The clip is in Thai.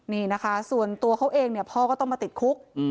นี่นะคะส่วนตัวเขาเองเนี่ยพ่อก็ต้องมาติดคุก